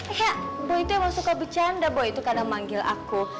eh ya boy itu emang suka bercanda boy itu kadang manggil aku